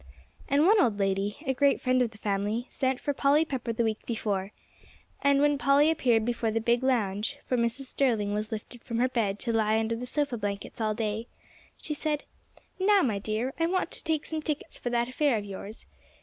And one old lady, a great friend of the family, sent for Polly Pepper the week before. And when Polly appeared before the big lounge, for Mrs. Sterling was lifted from her bed to lie under the sofa blankets all day, she said, "Now, my dear, I want to take some tickets for that affair of yours.